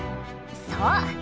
そう。